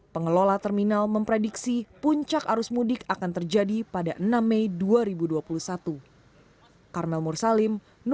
pengelola terminal memprediksi puncak arus mudik akan terjadi pada enam mei dua ribu dua puluh satu